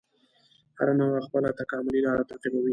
هره نوعه خپله تکاملي لاره تعقیبوي.